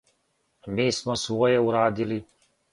Ми смо своје урадили.